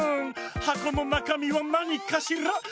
「はこのなかみはなにかしら？」